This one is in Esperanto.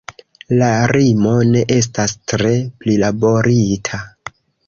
La rimo ne estas tre prilaborita.